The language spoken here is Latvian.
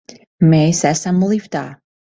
Mēs esam liftā!